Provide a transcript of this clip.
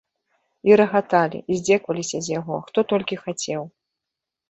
І рагаталі, і здзекаваліся з яго, хто толькі хацеў.